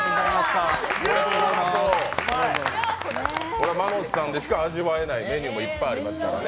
これはＭＡＮＯＳさんでしか味わえないメニューがいっぱいありますから。